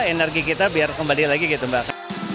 energi kita biar kembali lagi gitu mbak